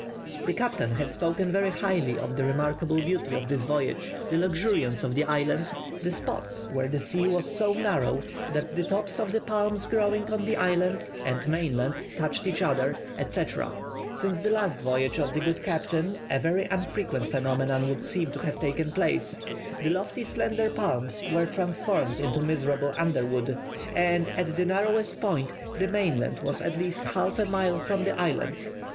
The captain had spoken very highly of the remarkable beauty of this voyage, the luxuriance of the island, the spots where the sea was so narrow that the tops of the palms growing on the island and mainland touched each other, etc. Since the last voyage of the good captain, a very unfrequent phenomenon would seem to have taken place the lofty slender palms were transformed into miserable underwood, and, at the narrowest point, the mainland was at least half a mile from the island.